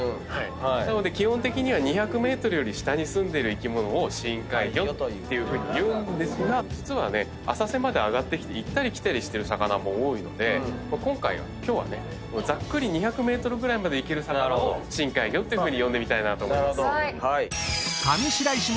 なので基本的には２００ｍより下にすんでる生き物を深海魚って言うんですが実はね浅瀬まで上がってきて行ったり来たりしてる魚も多いので今回はざっくり２００ｍぐらいまで生きる魚を深海魚っていうふうに呼んでみたいなと思います。